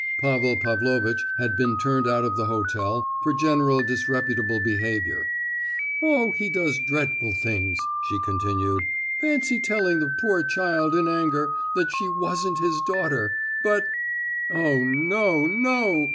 Pavel Pavlovitch had been turned out of the hotel for generally disreputable behaviour. "Oh, he does dreadful things!" she continued. "Fancy his telling the poor child, in anger, that she wasn't his daughter, but——" "Oh no, no!